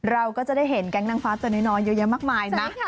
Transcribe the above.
เราก็จะได้เห็นแก๊งนางฟ้าตัวน้อยเยอะแยะมากมายนะ